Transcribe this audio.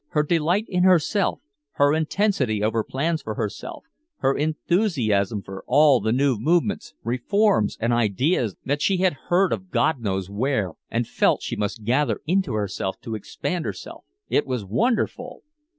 Her delight in herself, her intensity over plans for herself, her enthusiasm for all the new "movements," reforms and ideas that she had heard of God knows where and felt she must gather into herself to expand herself it was wonderful!